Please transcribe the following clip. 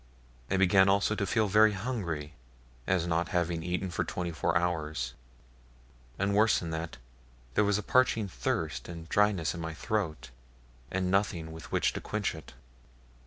I began also to feel very hungry, as not having eaten for twenty four hours; and worse than that, there was a parching thirst and dryness in my throat, and nothing with which to quench it.